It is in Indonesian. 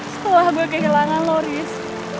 setelah gue kehilangan lo ris